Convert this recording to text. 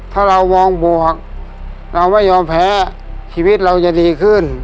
ถ้าเรามองบวกเราไม่ยอมแพ้ชีวิตเราจะดีขึ้น